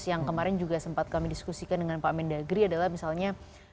yang kemarin juga sempat kami diskusikan dengan pak mendagri adalah misalnya